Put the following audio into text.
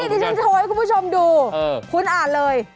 ดิฉันโชว์ให้คุณผู้ชมดูคุณอ่านเลย